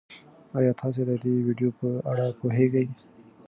ایا تاسي د دې ویډیو په اړه پوهېږئ؟